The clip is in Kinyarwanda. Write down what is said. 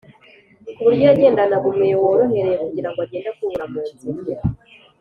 ku buryo yagendanaga umweyo worohereye kugira ngo agende akubura mu nzira